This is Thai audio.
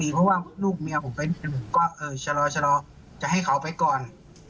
มูกกว่าลูกเมียผมเป็นเฉลาจะให้เขาไปก่อน